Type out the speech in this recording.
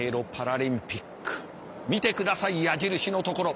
見て下さい矢印のところ。